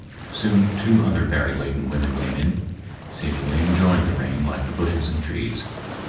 Soon two other berry laden women came in, seemingly enjoying the rain like the bushes and trees.